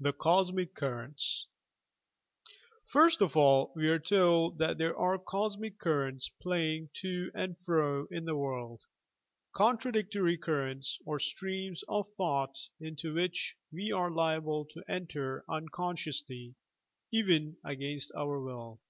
THE COSMIC CURRENTS First of all we are told that there are Cosmic currents playing to and fro in the world, contradictory currents OP streams of thought into which we are liable to enter unconsciously, even against our will.